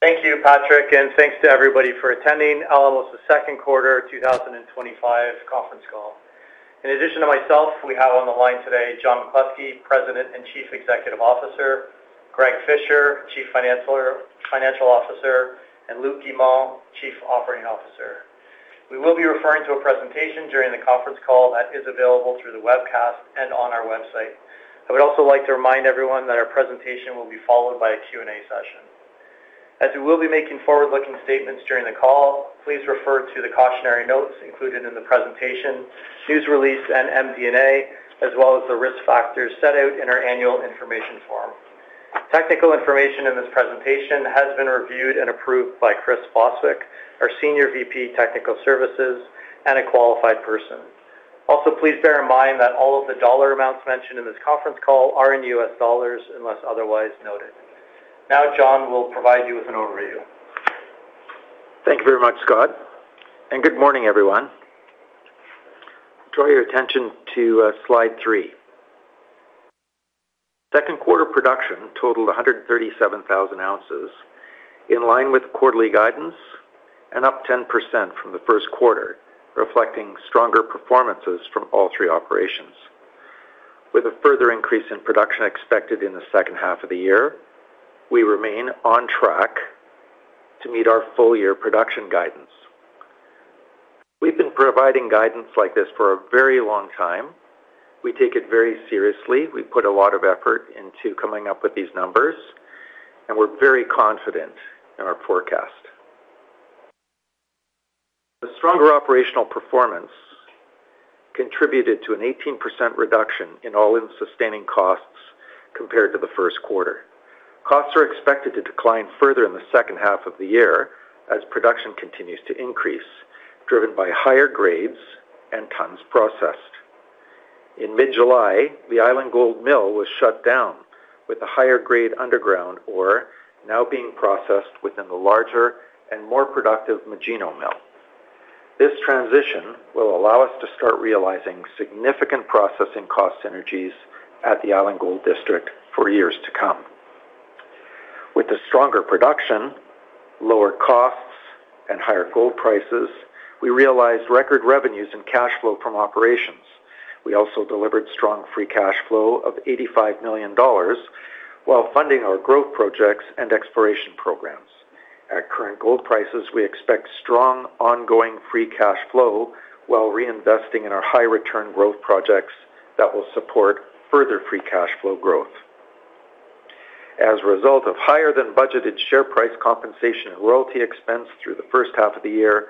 Thank you, Patrick, and thanks to everybody for attending Alamos's Second Quarter 2025 Conference Call. In addition to myself, we have on the line today John McCluskey, President and Chief Executive Officer, Greg Fisher, Chief Financial Officer, and Luc Guimond, Chief Operating Officer. We will be referring to a presentation during the conference call that is available through the webcast and on our website. I would also like to remind everyone that our presentation will be followed by a Q&A session. As we will be making forward-looking statements during the call, please refer to the cautionary notes included in the presentation, news release, and MD&A, as well as the risk factors set out in our annual information form. Technical information in this presentation has been reviewed and approved by Chris Bostwick, our Senior VP, Technical Services, and a qualified person. Also, please bear in mind that all of the dollar amounts mentioned in this conference call are in U.S. dollars unless otherwise noted. Now, John will provide you with an overview. Thank you very much, Scott, and good morning, everyone. Draw your attention to Slide 3. Second quarter production totaled 137,000 ounces, in line with quarterly guidance and up 10% from the first quarter, reflecting stronger performances from all three operations. With a further increase in production expected in the second half of the year, we remain on track to meet our full-year production guidance. We've been providing guidance like this for a very long time. We take it very seriously. We put a lot of effort into coming up with these numbers, and we're very confident in our forecast. The stronger operational performance contributed to an 18% reduction in all-in sustaining costs compared to the first quarter. Costs are expected to decline further in the second half of the year as production continues to increase, driven by higher grades and tons processed. In mid-July, the Island Gold Mill was shut down, with the higher grade underground ore now being processed within the larger and more productive Magino Mill. This transition will allow us to start realizing significant processing cost synergies at the Island Gold District for years to come. With the stronger production, lower costs, and higher gold prices, we realized record revenues and cash flow from operations. We also delivered strong free cash flow of $85 million while funding our growth projects and exploration programs. At current gold prices, we expect strong ongoing free cash flow while reinvesting in our high-return growth projects that will support further free cash flow growth. As a result of higher-than-budgeted share price compensation and royalty expense through the first half of the year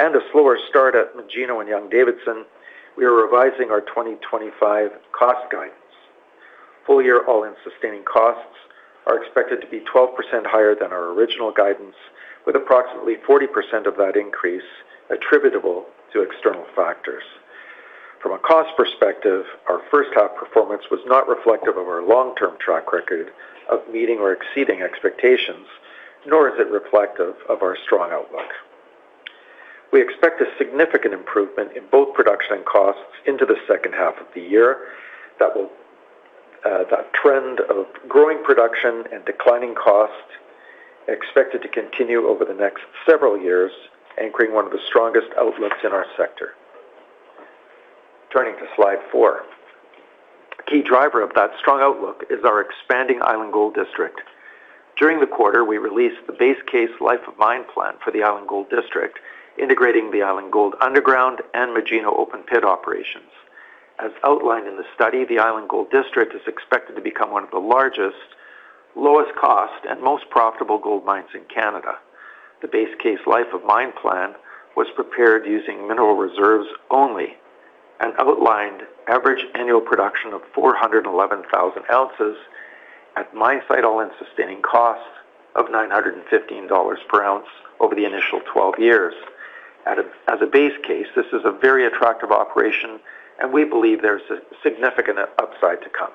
and a slower start at Magino and Young-Davidson, we are revising our 2025 cost guidance. Full-year all-in sustaining costs are expected to be 12% higher than our original guidance, with approximately 40% of that increase attributable to external factors. From a cost perspective, our first-half performance was not reflective of our long-term track record of meeting or exceeding expectations, nor is it reflective of our strong outlook. We expect a significant improvement in both production and costs into the second half of the year. That trend of growing production and declining costs is expected to continue over the next several years, anchoring one of the strongest outlooks in our sector. Turning to slide four. A key driver of that strong outlook is our expanding Island Gold District. During the quarter, we released the base case life of mine plan for the Island Gold District, integrating the Island Gold underground and Magino open pit operations. As outlined in the study, the Island Gold District is expected to become one of the largest, lowest-cost, and most profitable gold mines in Canada. The base case life of mine plan was prepared using mineral reserves only and outlined average annual production of 411,000 ounces at mine site all-in sustaining costs of $915 per ounce over the initial 12 years. As a base case, this is a very attractive operation, and we believe there's significant upside to come.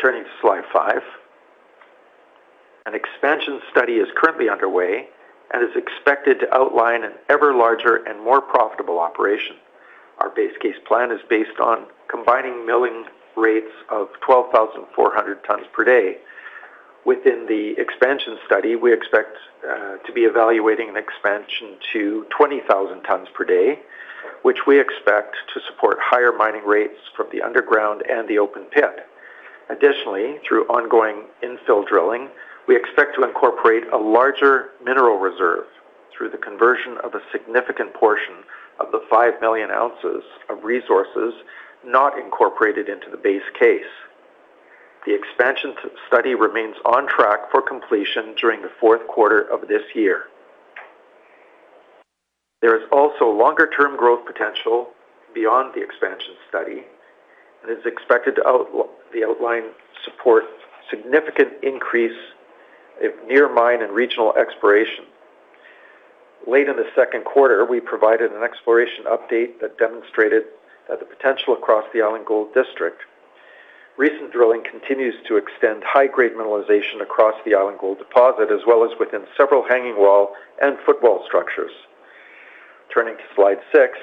Turning to Slide 5. An expansion study is currently underway and is expected to outline an even larger and more profitable operation. Our base case plan is based on combining milling rates of 12,400 tons per day. Within the expansion study, we expect to be evaluating an expansion to 20,000 tons per day, which we expect to support higher mining rates from the underground and the open pit. Additionally, through ongoing infill drilling, we expect to incorporate a larger mineral reserve through the conversion of a significant portion of the 5 million ounces of resources not incorporated into the base case. The expansion study remains on track for completion during the fourth quarter of this year. There is also longer-term growth potential beyond the expansion study, and it's expected to outline support for significant increase of near mine and regional exploration. Late in the second quarter, we provided an exploration update that demonstrated the potential across the Island Gold District. Recent drilling continues to extend high-grade mineralization across the Island Gold deposit, as well as within several hanging wall and footwall structures. Turning to Slide 6,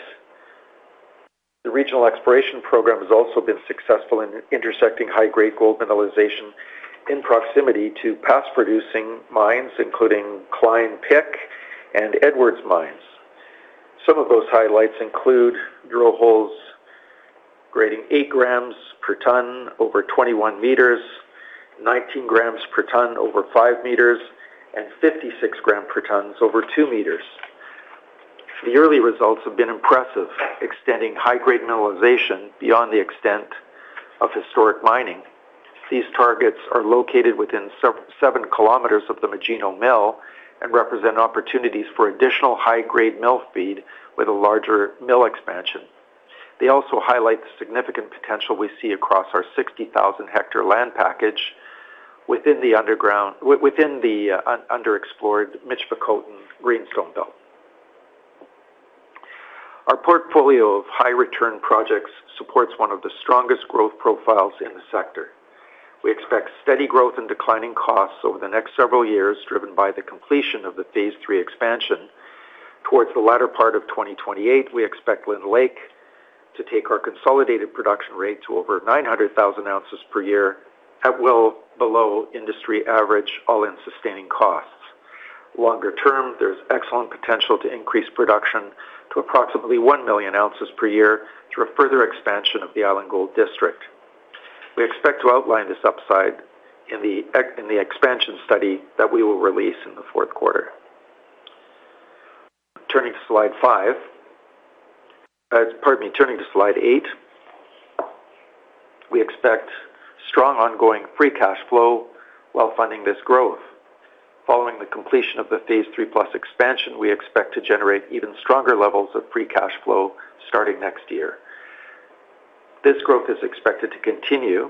the regional exploration program has also been successful in intersecting high-grade gold mineralization in proximity to past-producing mines, including Cline-Pick, and Edwards mines. Some of those highlights include drill holes grading 8 g/t over 21 m, 19 g/t over 5 m, and 56 g/t over 2 m. The early results have been impressive, extending high-grade mineralization beyond the extent of historic mining. These targets are located within 7 kilometers of the Magino Mill and represent opportunities for additional high-grade mill feed with a larger mill expansion. They also highlight the significant potential we see across our 60,000-hectare land package within the underexplored Michipicoten Greenstone Belt. Our portfolio of high-return projects supports one of the strongest growth profiles in the sector. We expect steady growth in declining costs over the next several years, driven by the completion of the Phase III Expansion. Towards the latter part of 2028, we expect Lynn Lake to take our consolidated production rate to over 900,000 ounces per year, at well below industry average all-in sustaining costs. Longer term, there's excellent potential to increase production to approximately 1 million ounces per year through a further expansion of the Island Gold District. We expect to outline this upside in the expansion study that we will release in the fourth quarter. Turning to Slide 8. We expect strong ongoing free cash flow while funding this growth. Following the completion of the Phase III Plus Expansion, we expect to generate even stronger levels of free cash flow starting next year. This growth is expected to continue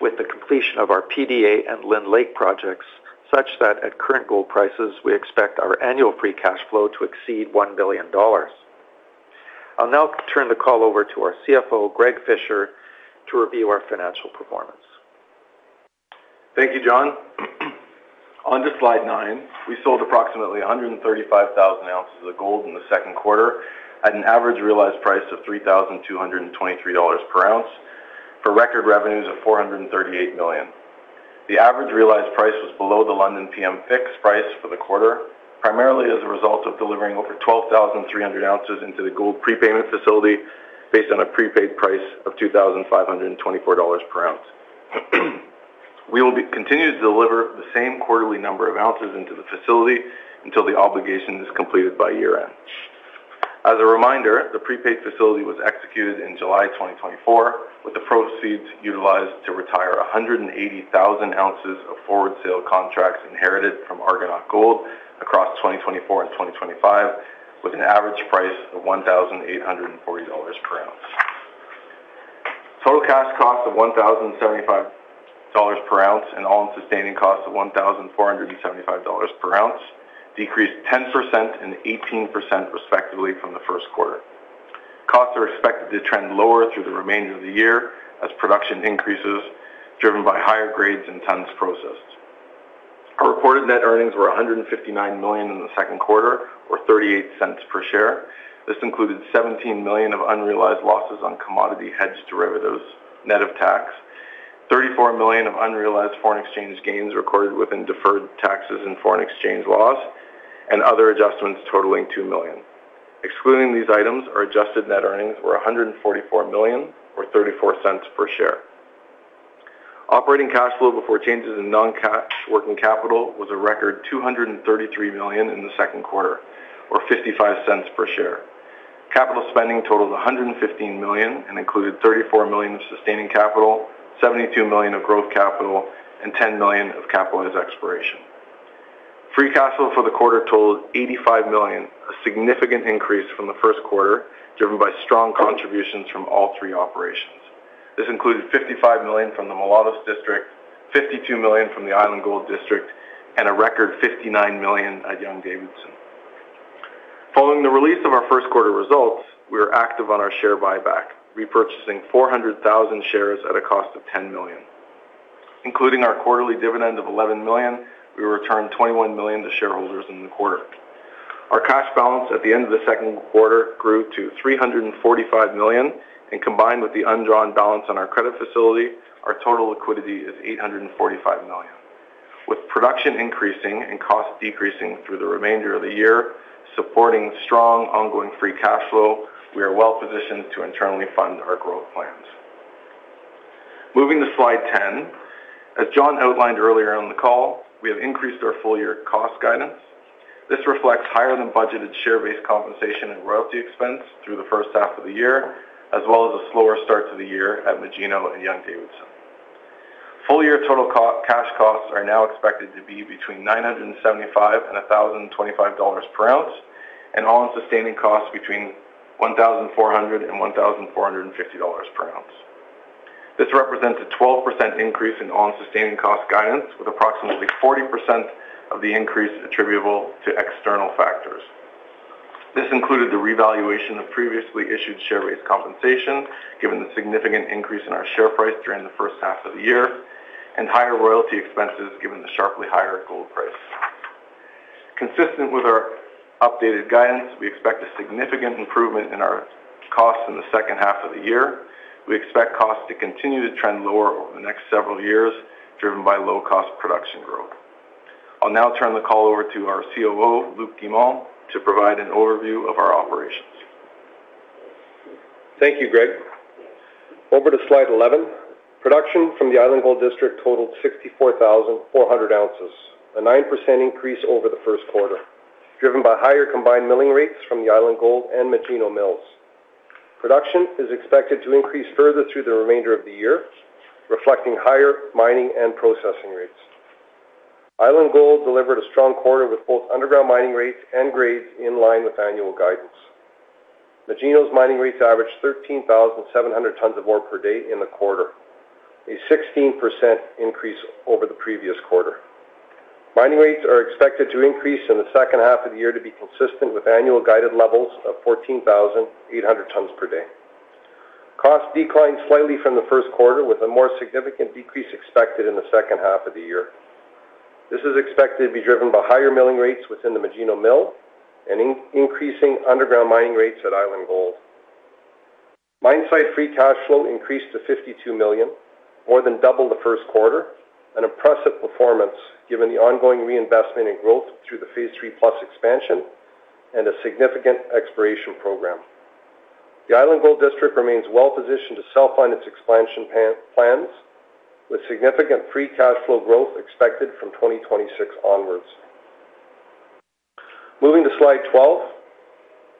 with the completion of our PDA and Lynn Lake projects, such that at current gold prices, we expect our annual free cash flow to exceed $1 billion. I'll now turn the call over to our CFO, Greg Fisher, to review our financial performance. Thank you, John. Onto Slide 9. We sold approximately 135,000 ounces of gold in the second quarter at an average realized price of $3,223 per ounce for record revenues of $438 million. The average realized price was below the London PM fixed price for the quarter, primarily as a result of delivering over 12,300 ounces into the gold prepayment facility based on a prepaid price of $2,524 per ounce. We will continue to deliver the same quarterly number of ounces into the facility until the obligation is completed by year-end. As a reminder, the prepaid facility was executed in July 2024, with the proceeds utilized to retire 180,000 ounces of forward sale contracts inherited from Argonaut Gold across 2024 and 2025, with an average price of $1,840 per ounce. Total cash cost of $1,075 per ounce and all-in sustaining cost of $1,475 per ounce decreased 10% and 18% respectively from the first quarter. Costs are expected to trend lower through the remainder of the year as production increases, driven by higher grades and tons processed. Our reported net earnings were $159 million in the second quarter, or $0.38 per share. This included $17 million of unrealized losses on commodity hedge derivatives, net of tax, $34 million of unrealized foreign exchange gains recorded within deferred taxes and foreign exchange laws, and other adjustments totaling $2 million. Excluding these items, our adjusted net earnings were $144 million, or $0.34 per share. Operating cash flow before changes in non-cash working capital was a record $233 million in the second quarter, or $0.55 per share. Capital spending totaled $115 million and included $34 million of sustaining capital, $72 million of growth capital, and $10 million of capitalized exploration. Free cash flow for the quarter totaled $85 million, a significant increase from the first quarter, driven by strong contributions from all three operations. This included $55 million from the Mulatos District, $52 million from the Island Gold District, and a record $59 million at Young-Davidson. Following the release of our first quarter results, we were active on our share buyback, repurchasing 400,000 shares at a cost of $10 million. Including our quarterly dividend of $11 million, we returned $21 million to shareholders in the quarter. Our cash balance at the end of the second quarter grew to $345 million, and combined with the undrawn balance on our credit facility, our total liquidity is $845 million. With production increasing and costs decreasing through the remainder of the year, supporting strong ongoing free cash flow, we are well positioned to internally fund our growth plans. Moving to Slide 10, as John outlined earlier on the call, we have increased our full-year cost guidance. This reflects higher-than-budgeted share-based compensation and royalty expense through the first half of the year, as well as a slower start to the year at Magino and Young-Davidson. Full-year total cash costs are now expected to be between $975 and $1,025 per ounce, and all-in sustaining costs between $1,400 and $1,450 per ounce. This represents a 12% increase in all-in sustaining cost guidance, with approximately 40% of the increase attributable to external factors. This included the revaluation of previously issued share-based compensation, given the significant increase in our share price during the first half of the year, and higher royalty expenses, given the sharply higher gold price. Consistent with our updated guidance, we expect a significant improvement in our costs in the second half of the year. We expect costs to continue to trend lower over the next several years, driven by low-cost production growth. I'll now turn the call over to our COO, Luc Guimond, to provide an overview of our operations. Thank you, Greg. Over to Slide 11. Production from the Island Gold District totaled 64,400 ounces, a 9% increase over the first quarter, driven by higher combined milling rates from the Island Gold and Magino Mills. Production is expected to increase further through the remainder of the year, reflecting higher mining and processing rates. Island Gold delivered a strong quarter with both underground mining rates and grades in line with annual guidance. Magino's mining rates averaged 13,700 tons of ore per day in the quarter, a 16% increase over the previous quarter. Mining rates are expected to increase in the second half of the year to be consistent with annual guided levels of 14,800 tons per day. Costs declined slightly from the first quarter, with a more significant decrease expected in the second half of the year. This is expected to be driven by higher milling rates within the Magino Mill and increasing underground mining rates at Island Gold. Mine site free cash flow increased to $52 million, more than double the first quarter, an impressive performance given the ongoing reinvestment and growth through the Phase III Plus Expansion and a significant exploration program. The Island Gold District remains well positioned to self-fund its expansion plans, with significant free cash flow growth expected from 2026 onwards. Moving to slide 12.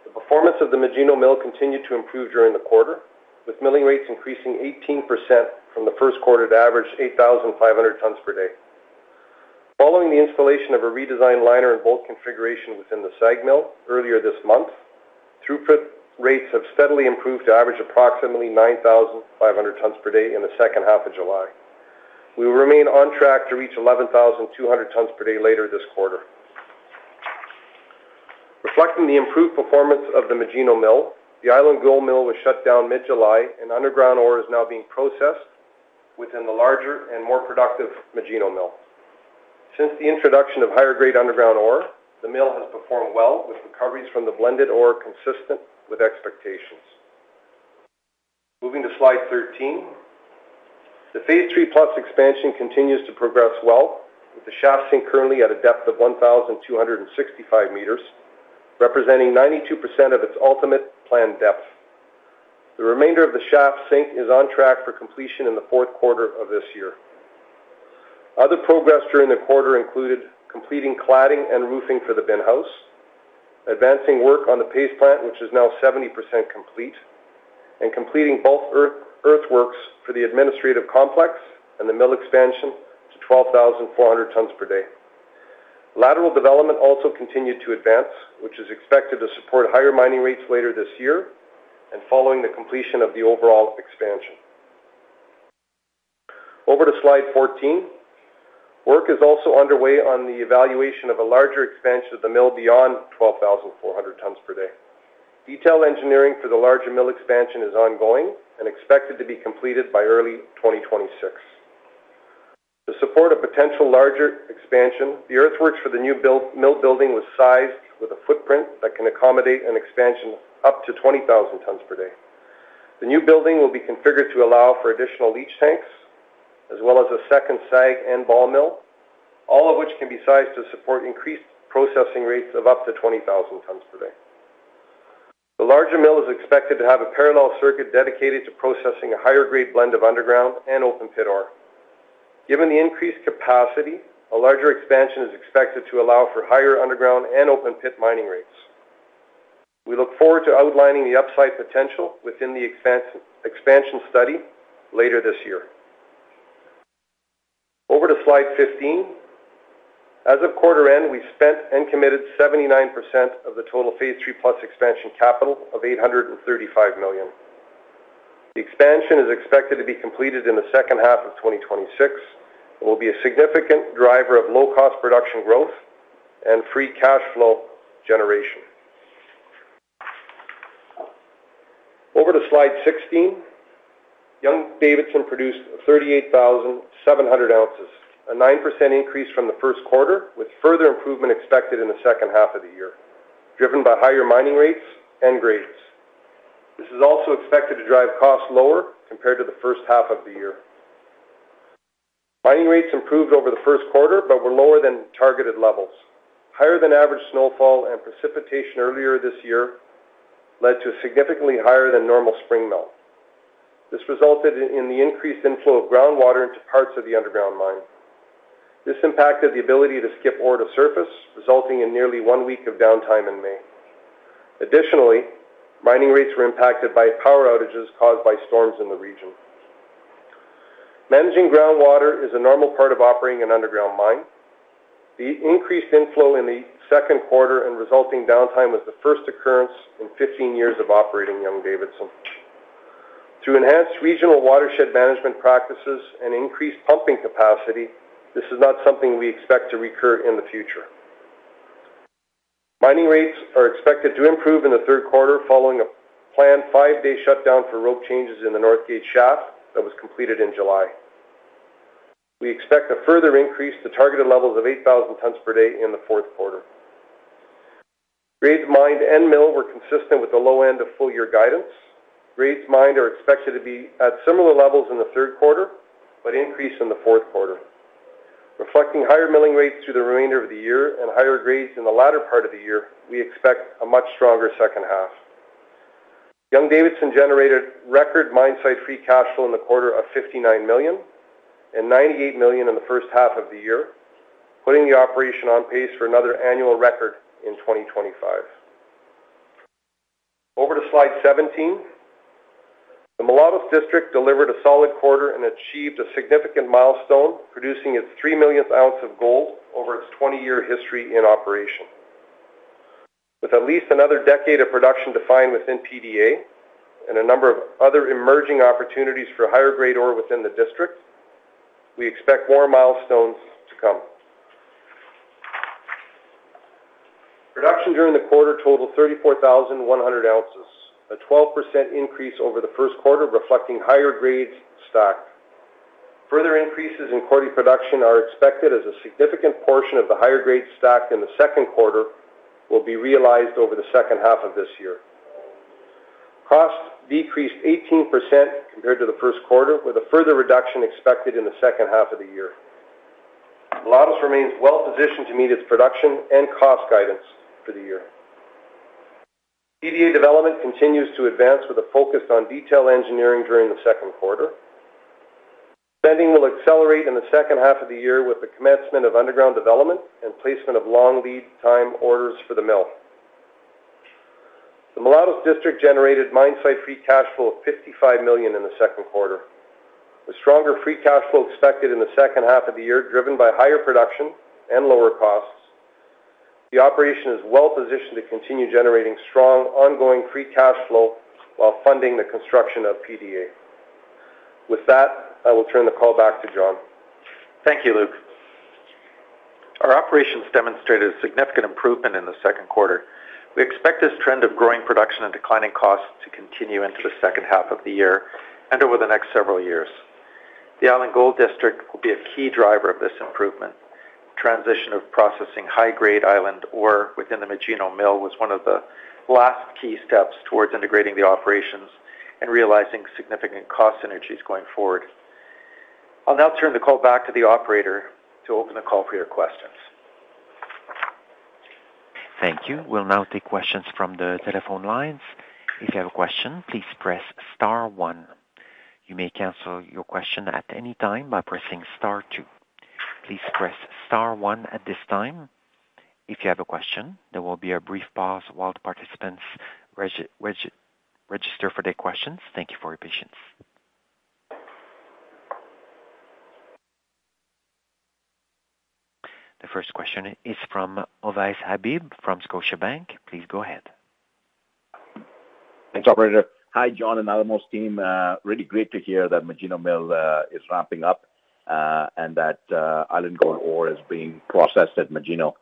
The performance of the Magino Mill continued to improve during the quarter, with milling rates increasing 18% from the first quarter to average 8,500 tpd. Following the installation of a redesigned liner and bolt configuration within the SAG Mill earlier this month, throughput rates have steadily improved to average approximately 9,500 tpd in the second half of July. We will remain on track to reach 11,200 tpd later this quarter. Reflecting the improved performance of the Magino Mill, the Island Gold Mill was shut down mid-July, and underground ore is now being processed within the larger and more productive Magino Mill. Since the introduction of higher-grade underground ore, the mill has performed well, with recoveries from the blended ore consistent with expectations. Moving to Slide 13. The Phase III Plus Expansion continues to progress well, with the shaft sinking currently at a depth of 1,265 meters, representing 92% of its ultimate planned depth. The remainder of the shaft sinking is on track for completion in the fourth quarter of this year. Other progress during the quarter included completing cladding and roofing for the bin house, advancing work on the paste plant, which is now 70% complete, and completing both earthworks for the administrative complex and the mill expansion to 12,400 tpd. Lateral development also continued to advance, which is expected to support higher mining rates later this year and following the completion of the overall expansion. Over to Slide 14. Work is also underway on the evaluation of a larger expansion of the mill beyond 12,400 tpd. Detailed engineering for the larger mill expansion is ongoing and expected to be completed by early 2026. To support a potential larger expansion, the earthworks for the new mill building was sized with a footprint that can accommodate an expansion of up to 20,000 tpd. The new building will be configured to allow for additional leach tanks, as well as a second SAG and ball mill, all of which can be sized to support increased processing rates of up to 20,000 tpd. The larger mill is expected to have a parallel circuit dedicated to processing a higher-grade blend of underground and open-pit ore. Given the increased capacity, a larger expansion is expected to allow for higher underground and open-pit mining rates. We look forward to outlining the upside potential within the expansion study later this year. Over to Slide 15. As of quarter end, we spent and committed 79% of the total Phase III Plus Expansion capital of $835 million. The expansion is expected to be completed in the second half of 2026 and will be a significant driver of low-cost production growth and free cash flow generation. Over to Slide 16. Young-Davidson produced 38,700 ounces, a 9% increase from the first quarter, with further improvement expected in the second half of the year, driven by higher mining rates and grades. This is also expected to drive costs lower compared to the first half of the year. Mining rates improved over the first quarter, but were lower than targeted levels. Higher-than-average snowfall and precipitation earlier this year led to a significantly higher-than-normal spring melt. This resulted in the increased inflow of groundwater into parts of the underground mine. This impacted the ability to skip ore to surface, resulting in nearly one week of downtime in May. Additionally, mining rates were impacted by power outages caused by storms in the region. Managing groundwater is a normal part of operating an underground mine. The increased inflow in the second quarter and resulting downtime was the first occurrence in 15 years of operating Young-Davidson. Through enhanced regional watershed management practices and increased pumping capacity, this is not something we expect to recur in the future. Mining rates are expected to improve in the third quarter following a planned five-day shutdown for rope changes in the Northgate shaft that was completed in July. We expect a further increase to targeted levels of 8,000 tpd in the fourth quarter. Grades mined and mill were consistent with the low end of full-year guidance. Grades mined are expected to be at similar levels in the third quarter, but increase in the fourth quarter. Reflecting higher milling rates through the remainder of the year and higher grades in the latter part of the year, we expect a much stronger second half. Young-Davidson generated record mine site free cash flow in the quarter of $59 million and $98 million in the first half of the year, putting the operation on pace for another annual record in 2025. Over to Slide 17. The Mulatos District delivered a solid quarter and achieved a significant milestone, producing its 3 millionth ounce of gold over its 20-year history in operation. With at least another decade of production defined within PDA and a number of other emerging opportunities for higher-grade ore within the district, we expect more milestones to come. Production during the quarter totaled 34,100 ounces, a 12% increase over the first quarter, reflecting higher-grade stock. Further increases in quarterly production are expected as a significant portion of the higher-grade stock in the second quarter will be realized over the second half of this year. Costs decreased 18% compared to the first quarter, with a further reduction expected in the second half of the year. Mulatos remains well positioned to meet its production and cost guidance for the year. PDA development continues to advance with a focus on detail engineering during the second quarter. Spending will accelerate in the second half of the year with the commencement of underground development and placement of long lead-time orders for the mill. The Mulatos District generated mine site free cash flow of $55 million in the second quarter, with stronger free cash flow expected in the second half of the year, driven by higher production and lower costs. The operation is well positioned to continue generating strong ongoing free cash flow while funding the construction of PDA. With that, I will turn the call back to John. Thank you, Luc. Our operations demonstrated a significant improvement in the second quarter. We expect this trend of growing production and declining costs to continue into the second half of the year and over the next several years. The Island Gold District will be a key driver of this improvement. Transition of processing high-grade island ore within the Magino Mill was one of the last key steps towards integrating the operations and realizing significant cost synergies going forward. I'll now turn the call back to the operator to open the call for your questions. Thank you. We'll now take questions from the telephone lines. If you have a question, please press star one. You may cancel your question at any time by pressing star two. Please press star one at this time. If you have a question, there will be a brief pause while the participants register for their questions. Thank you for your patience. The first question is from Ovais Habib from Scotiabank. Please go ahead. Thanks, operator. Hi, John and Alamos team. Really great to hear that Magino Mill is ramping up and that Island Gold ore is being processed at Magino.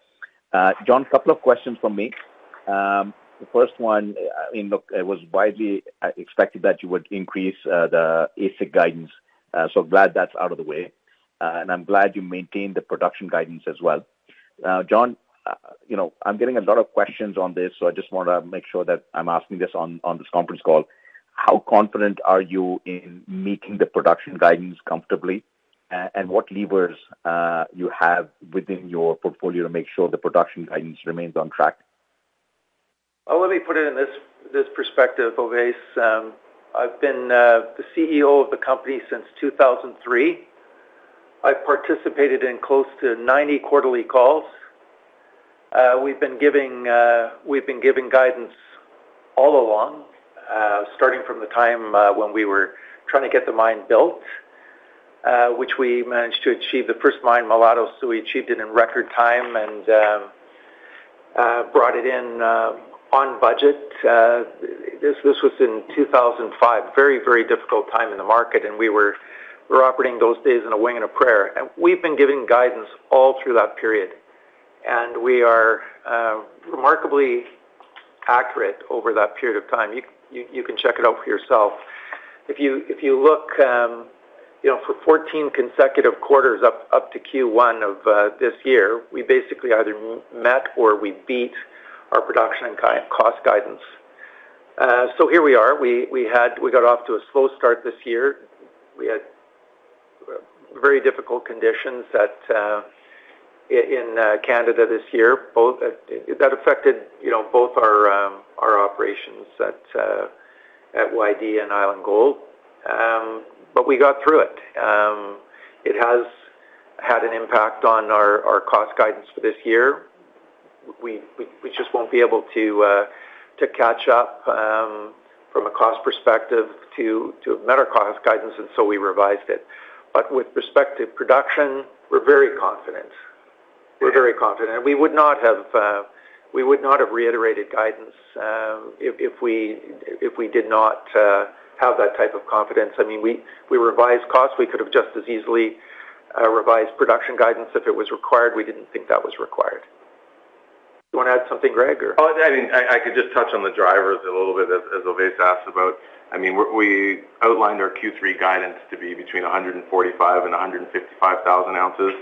John, a couple of questions for me. The first one, I mean, it was widely expected that you would increase the AISC guidance. Glad that's out of the way, and I'm glad you maintained the production guidance as well. John, I'm getting a lot of questions on this, so I just want to make sure that I'm asking this on this conference call. How confident are you in meeting the production guidance comfortably, and what levers you have within your portfolio to make sure the production guidance remains on track? Oh, let me put it in this perspective, Ovais. I've been the CEO of the company since 2003. I've participated in close to 90 quarterly calls. We've been giving guidance all along, starting from the time when we were trying to get the mine built, which we managed to achieve the first mine Mulatos. So we achieved it in record time and brought it in on budget. This was in 2005, a very, very difficult time in the market, and we were operating those days on a wing and a prayer. We've been giving guidance all through that period, and we are remarkably accurate over that period of time. You can check it out for yourself. If you look, for 14 consecutive quarters up to Q1 of this year, we basically either met or we beat our production and cost guidance. Here we are. We got off to a slow start this year. We had very difficult conditions in Canada this year that affected both our operations at YD and Island Gold, but we got through it. It has had an impact on our cost guidance for this year. We just won't be able to catch up from a cost perspective to a better cost guidance, and so we revised it. With respect to production, we're very confident. We're very confident, and we would not have reiterated guidance if we did not have that type of confidence. I mean, we revised costs. We could have just as easily revised production guidance if it was required. We didn't think that was required. Do you want to add something, Greg? I could just touch on the drivers a little bit as Ovais asked about. We outlined our Q3 guidance to be between 145,000 and 155,000 ounces,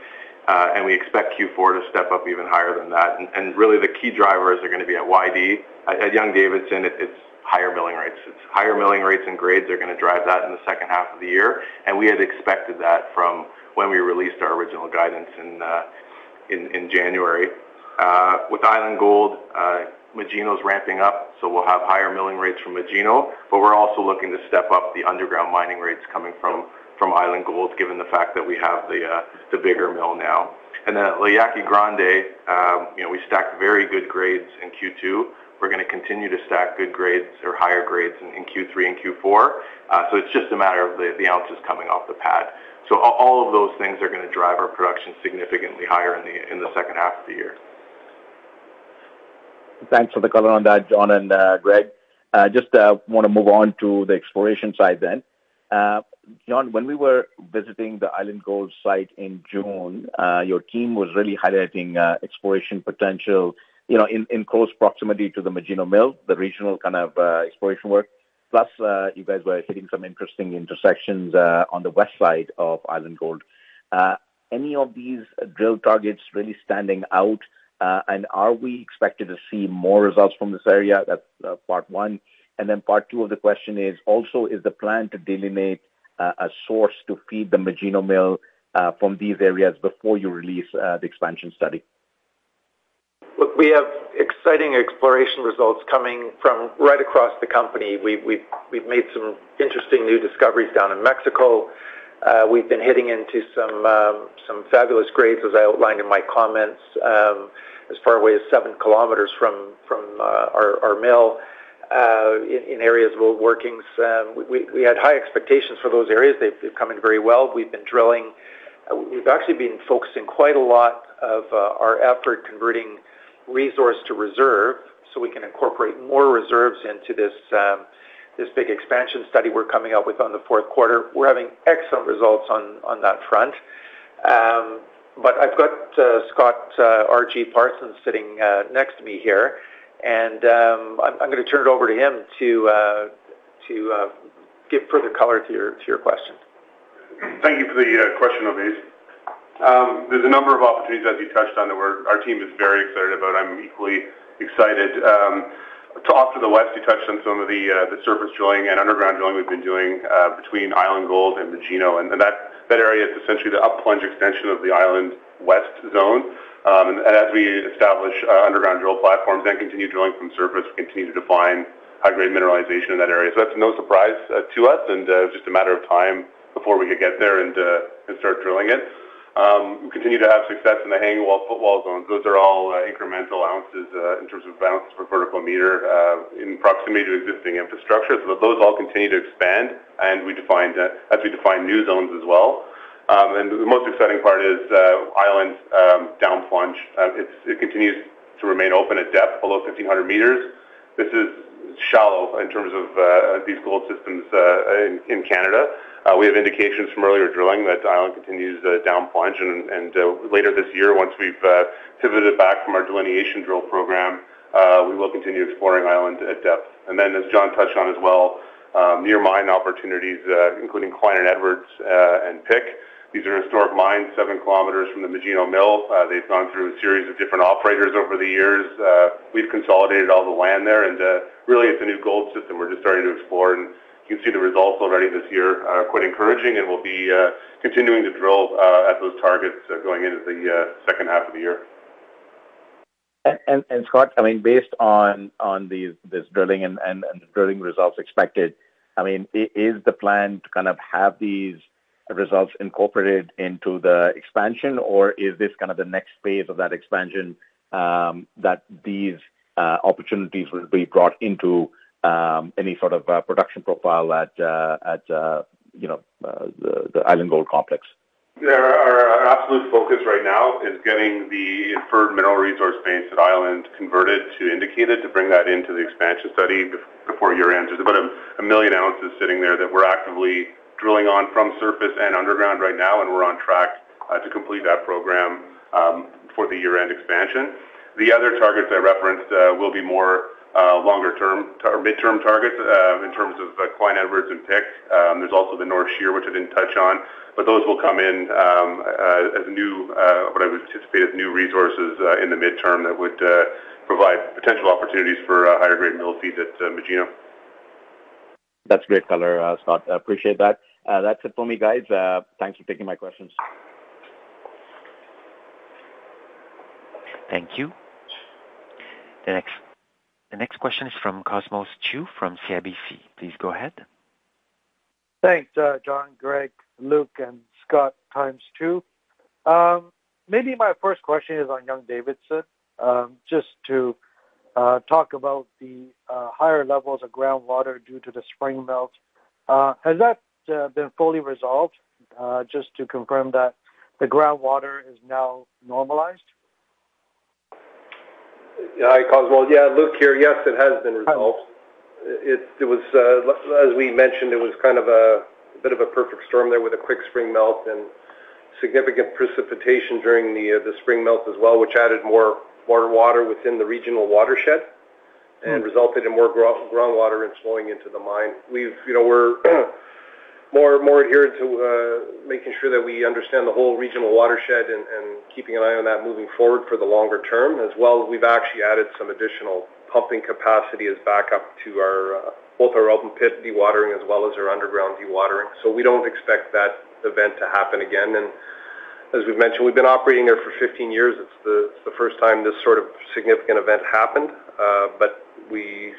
and we expect Q4 to step up even higher than that. Really, the key drivers are going to be at YD. At Young-Davidson, it's higher milling rates. It's higher milling rates and grades that are going to drive that in the second half of the year. We had expected that from when we released our original guidance in January. With Island Gold, Magino's ramping up, so we'll have higher milling rates from Magino, but we're also looking to step up the underground mining rates coming from Island Gold, given the fact that we have the bigger mill now. At La Yaqui Grande, we stacked very good grades in Q2. We're going to continue to stack good grades or higher grades in Q3 and Q4. It's just a matter of the ounces coming off the pad. All of those things are going to drive our production significantly higher in the second half of the year. Thanks for the color on that, John and Greg. Just want to move on to the exploration side then. John, when we were visiting the Island Gold site in June, your team was really highlighting exploration potential. In close proximity to the Magino Mill, the regional kind of exploration work, plus you guys were hitting some interesting intersections on the west side of Island Gold. Any of these drill targets really standing out? Are we expected to see more results from this area? That's part one. Part two of the question is, also, is the plan to delineate a source to feed the Magino Mill from these areas before you release the expansion study? Look, we have exciting exploration results coming from right across the company. We've made some interesting new discoveries down in Mexico. We've been hitting into some fabulous grades, as I outlined in my comments, as far away as seven kilometers from our mill in areas of old workings. We had high expectations for those areas. They've come in very well. We've been drilling. We've actually been focusing quite a lot of our effort converting resource to reserve so we can incorporate more reserves into this big expansion study we're coming up with in the fourth quarter. We're having excellent results on that front. I've got Scott R.G. Parsons sitting next to me here, and I'm going to turn it over to him to give further color to your questions. Thank you for the question, Ovais. There's a number of opportunities, as you touched on, that our team is very excited about. I'm equally excited. To the west, you touched on some of the surface drilling and underground drilling we've been doing between Island Gold and Magino. That area is essentially the up-plunge extension of the Island West zone. As we establish underground drill platforms and continue drilling from surface, we continue to define high-grade mineralization in that area. That's no surprise to us, and it's just a matter of time before we could get there and start drilling it. We continue to have success in the hanging wall and foot wall zones. Those are all incremental ounces in terms of ounces per vertical meter in proximity to existing infrastructure. Those all continue to expand, and we define new zones as well. The most exciting part is Island down-plunge. It continues to remain open at depth below 1,500 meters. This is shallow in terms of these gold systems in Canada. We have indications from earlier drilling that Island continues to down-plunge. Later this year, once we've pivoted back from our delineation drill program, we will continue exploring Island at depth. As John touched on as well, near mine opportunities, including Cline, Edwards, and Pick, these are historic mines, seven kilometers from the Magino Mill. They've gone through a series of different operators over the years. We've consolidated all the land there, and really, it's a new gold system we're just starting to explore. You can see the results already this year, quite encouraging, and we'll be continuing to drill at those targets going into the second half of the year. Scott, I mean, based on this drilling and the drilling results expected, is the plan to kind of have these results incorporated into the expansion, or is this kind of the next phase of that expansion that these opportunities will be brought into? Any sort of production profile at the Island Gold complex? Our absolute focus right now is getting the inferred mineral resource base at Island converted to indicated to bring that into the expansion study before year-end. There's about 1 million ounces sitting there that we're actively drilling on from surface and underground right now, and we're on track to complete that program for the year-end expansion. The other targets I referenced will be more longer-term or mid-term targets in terms of Cline, Edwards, and Pick. There's also the North Shear, which I didn't touch on, but those will come in as new, what I would anticipate as new resources in the midterm that would provide potential opportunities for higher-grade mill feeds at Magino. That's great color, Scott. Appreciate that. That's it for me, guys. Thanks for taking my questions. Thank you. The next question is from Cosmos Chiu from CIBC. Please go ahead. Thanks, John, Greg, Luc, and Scott times two. Maybe my first question is on Young-Davidson, just to talk about the higher levels of groundwater due to the spring melt. Has that been fully resolved? Just to confirm that the groundwater is now normalized? Yeah, hi, Cosmos. Yeah, Luc here. Yes, it has been resolved. It was, as we mentioned, kind of a bit of a perfect storm there with a quick spring melt and significant precipitation during the spring melt as well, which added more water within the regional watershed and resulted in more groundwater flowing into the mine. We are more adherent to making sure that we understand the whole regional watershed and keeping an eye on that moving forward for the longer term, as well as we've actually added some additional pumping capacity as backup to both our open-pit dewatering as well as our underground dewatering. We don't expect that event to happen again. As we've mentioned, we've been operating there for 15 years. It's the first time this sort of significant event happened, but we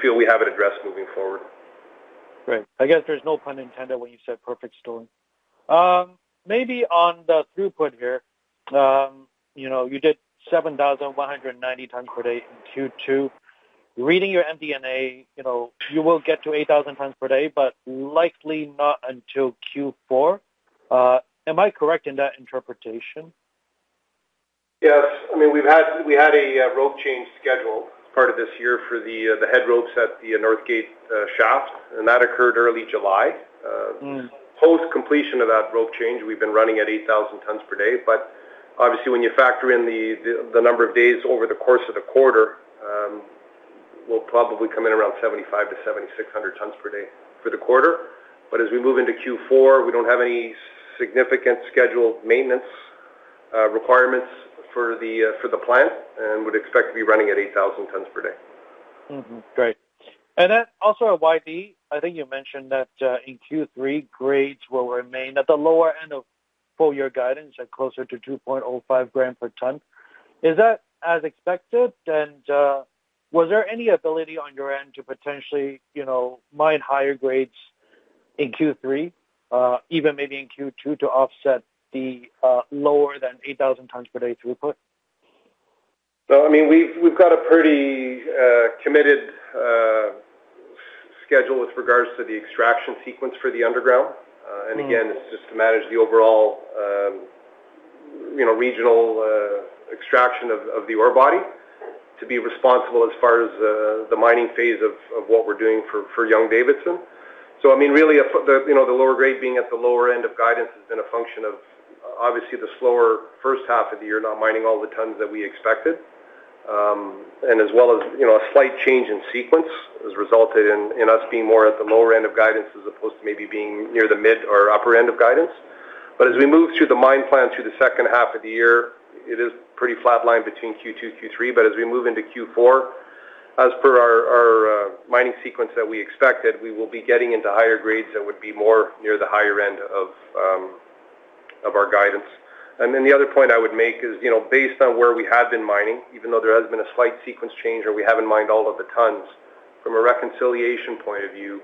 feel we have it addressed moving forward. Right. I guess there's no pun intended when you said perfect storm. Maybe on the throughput here. You did 7,190 tpd in Q2. Reading your MD&A, you will get to 8,000 tpd, but likely not until Q4. Am I correct in that interpretation? Yes. I mean, we had a rope change scheduled as part of this year for the head ropes at the North Gate shaft, and that occurred early July. Post-completion of that rope change, we've been running at 8,000 tpd. Obviously, when you factor in the number of days over the course of the quarter, we'll probably come in around 7,500 to 7,600 tpd for the quarter. As we move into Q4, we don't have any significant scheduled maintenance requirements for the plant and would expect to be running at 8,000 tpd. Great. At YD, I think you mentioned that in Q3, grades will remain at the lower end of full-year guidance at closer to 2.05 grams per ton. Is that as expected? Was there any ability on your end to potentially mine higher grades in Q3, even maybe in Q2, to offset the lower than 8,000 tpd throughput? We have a pretty committed schedule with regards to the extraction sequence for the underground. It is just to manage the overall regional extraction of the ore body to be responsible as far as the mining phase of what we're doing for Young-Davidson. The lower grade being at the lower end of guidance has been a function of, obviously, the slower first half of the year not mining all the tons that we expected, as well as a slight change in sequence, which has resulted in us being more at the lower end of guidance as opposed to maybe being near the mid or upper end of guidance. As we move through the mine plan through the second half of the year, it is pretty flatlined between Q2 and Q3. As we move into Q4, as per our mining sequence that we expected, we will be getting into higher grades that would be more near the higher end of our guidance. The other point I would make is based on where we have been mining, even though there has been a slight sequence change or we haven't mined all of the tons, from a reconciliation point of view,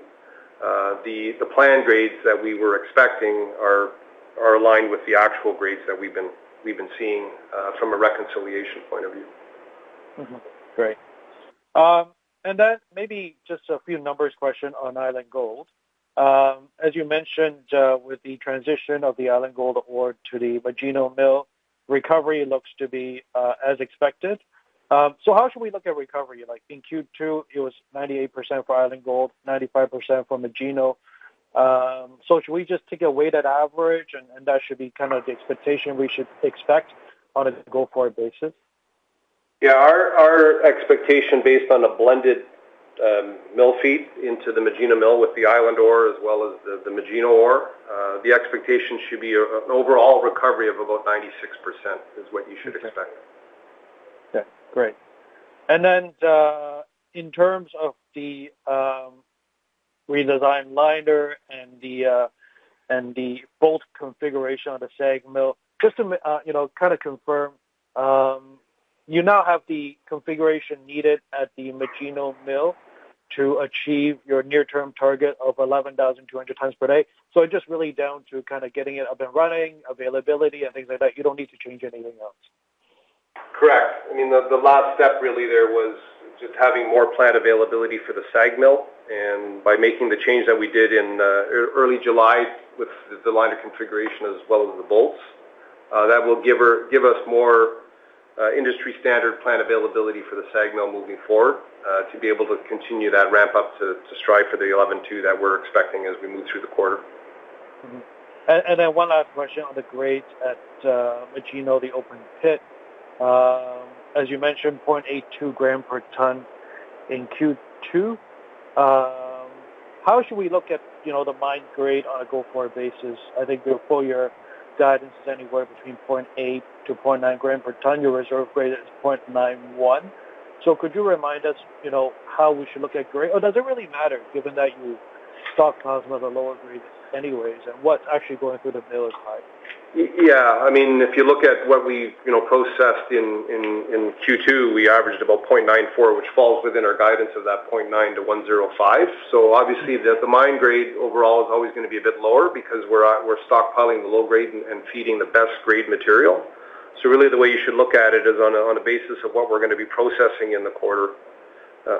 the planned grades that we were expecting are aligned with the actual grades that we've been seeing from a reconciliation point of view. Great. Maybe just a few numbers question on Island Gold. As you mentioned, with the transition of the Island Gold ore to the Magino Mill, recovery looks to be as expected. How should we look at recovery? In Q2, it was 98% for Island Gold, 95% for Magino. Should we just take a weighted average, and that should be kind of the expectation we should expect on a go-forward basis? Yeah. Our expectation based on a blended mill feed into the Magino Mill with the island ore as well as the Magino ore, the expectation should be an overall recovery of about 96% is what you should expect. Great. In terms of the redesigned liner and the configuration of the SAG Mill, just to confirm, you now have the configuration needed at the Magino Mill to achieve your near-term target of 11,200 tons per day. It's just really down to getting it up and running, availability, and things like that. You don't need to change anything else. Correct. I mean, the last step really there was just having more plant availability for the SAG Mill. By making the change that we did in early July with the liner configuration as well as the bolts, that will give us more industry-standard plant availability for the SAG Mill moving forward to be able to continue that ramp up to strive for the 11,200 that we're expecting as we move through the quarter. One last question on the grades at Magino, the open-pit. As you mentioned, 0.82 grams per ton in Q2. How should we look at the mine grade on a go-forward basis? I think your four-year guidance is anywhere between 0.8 to 0.9 grams per ton. Your reserve grade is 0.91. Could you remind us how we should look at grade? Does it really matter, given that you stockpile some of the lower grades anyways, and what's actually going through the mill at the time? Yeah. I mean, if you look at what we processed in Q2, we averaged about 0.94, which falls within our guidance of that 0.9 to 1.05. Obviously, the mine grade overall is always going to be a bit lower because we're stockpiling the low grade and feeding the best grade material. Really, the way you should look at it is on a basis of what we're going to be processing in the quarter.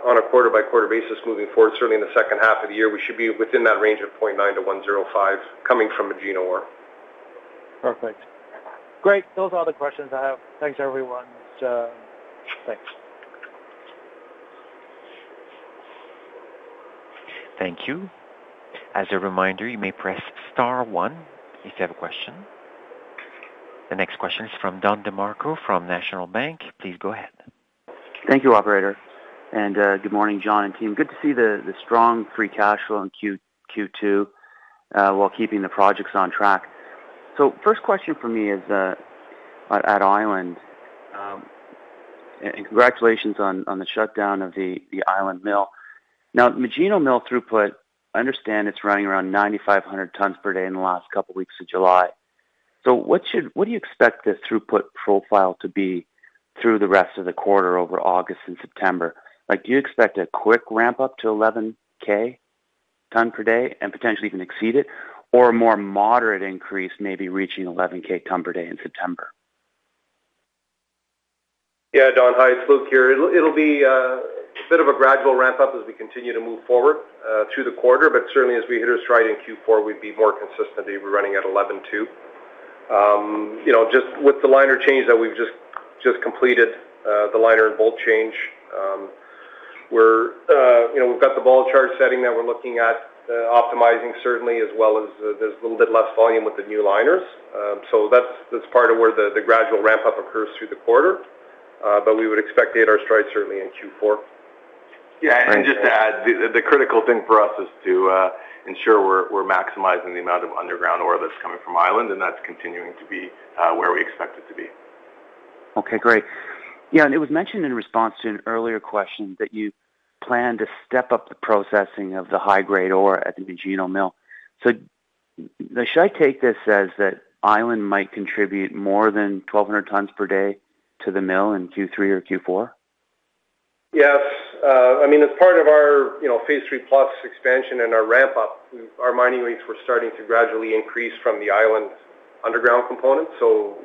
On a quarter-by-quarter basis moving forward, certainly in the second half of the year, we should be within that range of 0.9 to 1.05 coming from Magino ore. Perfect. Great. Those are all the questions I have. Thanks, everyone. Thanks. Thank you. As a reminder, you may press star one if you have a question. The next question is from Don DeMarco from National Bank. Please go ahead. Thank you, Operator. Good morning, John and team. Good to see the strong free cash flow in Q2 while keeping the projects on track. First question for me is at Island. Congratulations on the shutdown of the Island Mill. Now, Magino Mill throughput, I understand it's running around 9,500 tpd in the last couple of weeks of July. What do you expect this throughput profile to be through the rest of the quarter over August and September? Do you expect a quick ramp-up to 11,000 tons per day and potentially even exceed it, or a more moderate increase, maybe reaching 11,000 tons per day in September? Yeah, Don, hi. It's Luc here. It'll be a bit of a gradual ramp up as we continue to move forward through the quarter. Certainly, as we hit a stride in Q4, we'd be more consistently running at 11.2. Just with the liner change that we've just completed, the liner and bolt change, we've got the ball charge setting that we're looking at optimizing, certainly, as well as there's a little bit less volume with the new liners. That's part of where the gradual ramp up occurs through the quarter. We would expect to hit our stride certainly in Q4. Yeah. Just to add, the critical thing for us is to ensure we're maximizing the amount of underground ore that's coming from Island, and that's continuing to be where we expect it to be. Okay. Great. It was mentioned in response to an earlier question that you plan to step up the processing of the high-grade ore at the Magino Mill. Should I take this as that Island might contribute more than 1,200 tpd to the mill in Q3 or Q4? Yes. I mean, as part of our Phase III Plus Expansion and our ramp up, our mining rates were starting to gradually increase from the Island Gold underground component.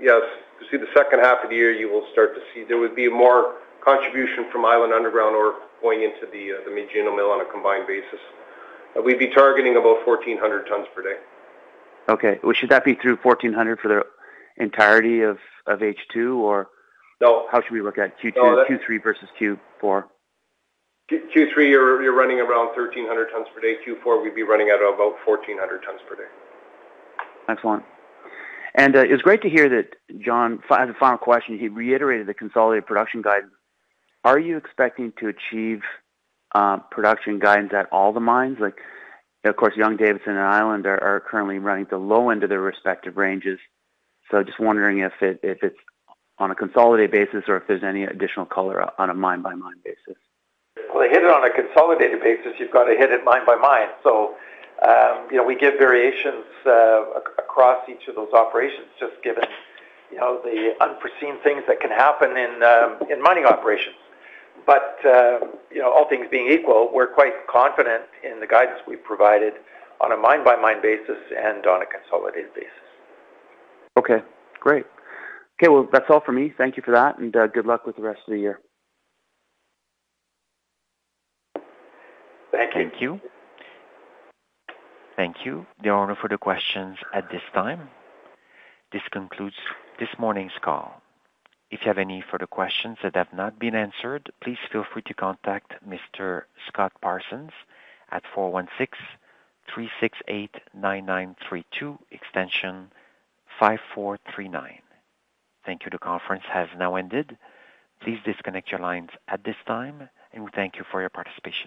Yes, you see the second half of the year, you will start to see there would be more contribution from island underground ore going into the Magino Mill on a combined basis. We'd be targeting about 1,400 tpd. Okay. Should that be through 1,400 for the entirety of H2, or how should we look at Q3 versus Q4? Q3, you're running around 1,300 tons per day. Q4, we'd be running at about 1,400 tons per day. Excellent. It's great to hear that, John. As a final question, you reiterated the consolidated production guidance. Are you expecting to achieve production guidance at all the mines? Of course, Young-Davidson and Island are currently running at the low end of their respective ranges. I'm just wondering if it's on a consolidated basis or if there's any additional color on a mine-by-mine basis. They hit it on a consolidated basis. You've got to hit it mine-by-mine. We give variations across each of those operations, just given the unforeseen things that can happen in mining operations. All things being equal, we're quite confident in the guidance we've provided on a mine-by-mine basis and on a consolidated basis. Okay. Great. That's all for me. Thank you for that, and good luck with the rest of the year. Thank you. Thank you. Thank you, John, for the questions at this time. This concludes this morning's call. If you have any further questions that have not been answered, please feel free to contact Mr. Scott Parsons at 416-368-9932, extension 5439. Thank you. The conference has now ended. Please disconnect your lines at this time, and we thank you for your participation.